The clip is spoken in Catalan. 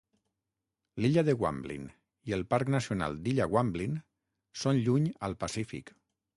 L'illa de Guamblin i el parc nacional d'Illa Guamblin són lluny al Pacífic.